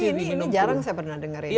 ini jarang saya pernah dengar ini